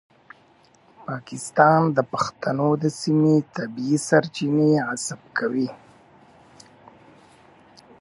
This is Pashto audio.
پاکستان د پښتنو د سیمې طبیعي سرچینې غصب کوي.